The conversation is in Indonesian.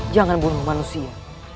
jangan bunuh manusia